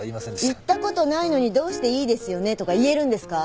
行ったことないのにどうして「いいですよね」とか言えるんですか？